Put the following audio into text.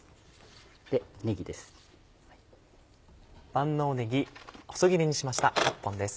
万能ねぎ細切りにしました８本です。